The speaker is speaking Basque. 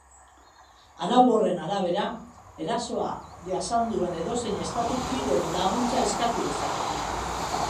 Arau horren arabera, erasoa jasan duen edozein estatuk kideen laguntza eskatu dezake.